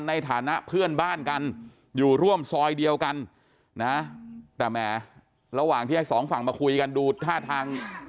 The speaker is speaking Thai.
ในฐานะเพื่อนบ้านกันอยู่ร่วมซอยเดียวกันนะแต่แหมระหว่างที่ให้สองฝั่งมาคุยกันดูท่าทาง